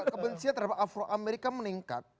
kebencian terhadap afro amerika meningkat